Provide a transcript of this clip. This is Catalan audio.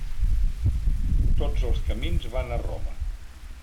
Tots els camins van a Roma.